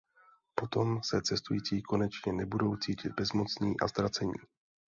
Potom se cestující konečně nebudou cítit bezmocní a ztracení.